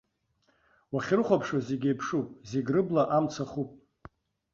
Уахьрыхәаԥшуа зегьы еиԥшуп, зегьы рыбла амца хуп.